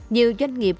nhiều doanh nghiệp